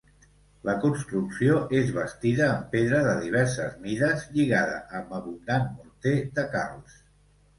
La construcció és bastida amb pedra de diverses mides lligada amb abundant morter de calç.